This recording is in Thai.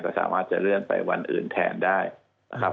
ก็สามารถจะเลื่อนไปวันอื่นแทนได้นะครับ